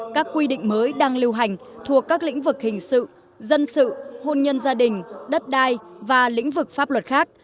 các quy định mới đang lưu hành thuộc các lĩnh vực hình sự dân sự hôn nhân gia đình đất đai và lĩnh vực pháp luật khác